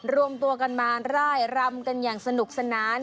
รวมตัวกันมาร่ายรำกันอย่างสนุกสนาน